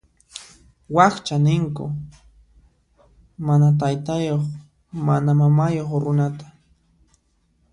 Wakcha ninku mana taytayuq mana mamayuq runata.